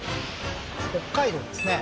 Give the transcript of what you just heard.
北海道ですね